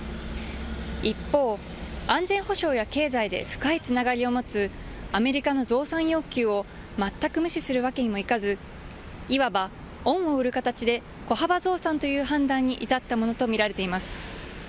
一方、安全保障や経済で深いつながりを持つアメリカの増産要求を全く無視するわけにもいかずいわば恩を売る形で小幅増産という判断に至ったものと見られます。